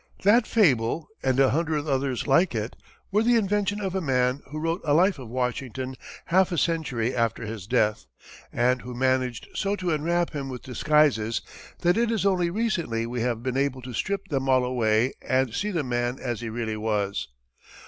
That fable, and a hundred others like it, were the invention of a man who wrote a life of Washington half a century after his death, and who managed so to enwrap him with disguises, that it is only recently we have been able to strip them all away and see the man as he really was.